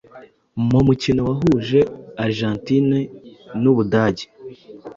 mu mukino wahuje Argentine n'u Budage